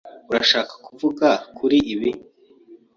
Urashaka kuvuga kuri ibi?